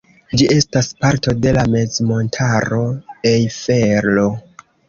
Ĝi estas parto de la mezmontaro Ejfelo.